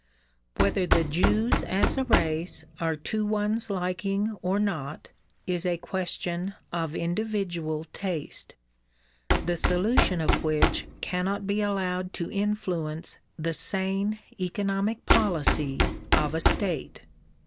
Whether the Jews as a race are to one's liking or not, is a question of individual taste, the solution of which cannot be allowed to influence the sane economic policy of a state.